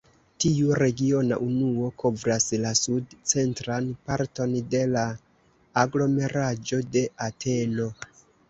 Tiu regiona unuo kovras la sud-centran parton de la aglomeraĵo de Ateno.